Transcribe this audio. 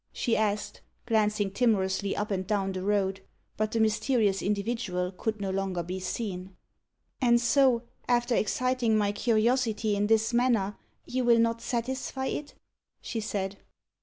she asked, glancing timorously up and down the road. But the mysterious individual could no longer be seen. "And so, after exciting my curiosity in this manner, you will not satisfy it?" she said.